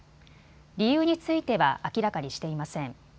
理由については明らかにしていません。